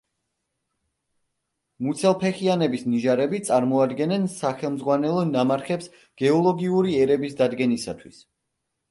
მუცელფეხიანების ნიჟარები წარმოადგენენ სახელმძღვანელო ნამარხებს გეოლოგიური ერების დადგენისათვის.